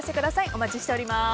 お待ちしております。